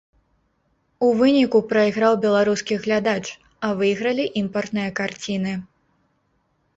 У выніку прайграў беларускі глядач, а выйгралі імпартныя карціны.